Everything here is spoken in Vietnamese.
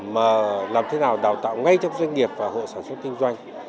mà làm thế nào đào tạo ngay trong doanh nghiệp và hộ sản xuất kinh doanh